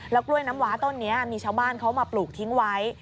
กล้วยน้ำว้าต้นนี้มีชาวบ้านเขามาปลูกทิ้งไว้